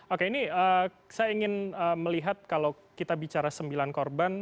oke ini saya ingin melihat kalau kita bicara sembilan korban